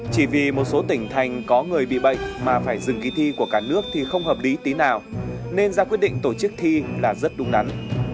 chỉ vì một số tỉnh thành có người bị bệnh mà phải dừng ký thi của cả nước thì không hợp lý tí nào nên ra quyết định tổ chức thi là rất đúng đắn